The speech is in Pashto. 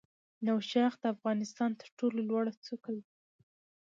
نوشاخ د افغانستان تر ټولو لوړه څوکه ده.